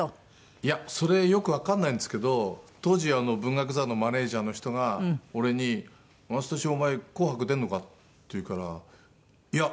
いやそれよくわかんないんですけど当時文学座のマネジャーの人が俺に「雅俊お前『紅白』出るのか？」って言うから「いや」。